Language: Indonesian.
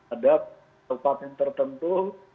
ada tempat yang tertentu